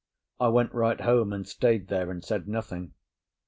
I went right home, and stayed there, and said nothing.